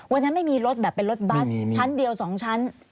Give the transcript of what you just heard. เวลานั้นไม่มีรถแบบเป็นรถบัสชั้นเดียวสองชั้น